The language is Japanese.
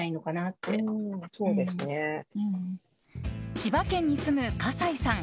千葉県に住む葛西さん。